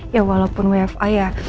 ya walaupun wfi ya